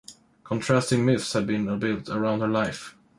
Contrasting myths have been built around her life.